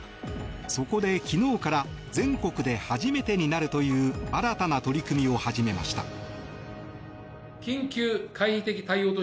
そこで、昨日から全国で初めてになるという新たな取り組みを始めました。